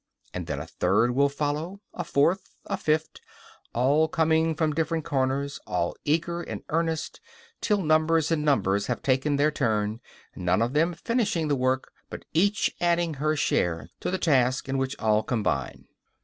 And then a third will follow, a fourth and a fifth, all coming from different corners, all eager and earnest, till numbers and numbers have taken their turn, none of them finishing the work but each adding her share to the task in which all combine.